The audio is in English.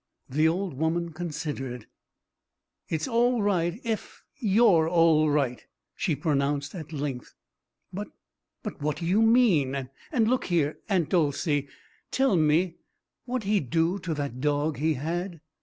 The old woman considered. "It's all right ef you're all right," she pronounced at length. "But but what do you mean? And and look here Aunt Dolcey tell me what'd he do to that dog he had?"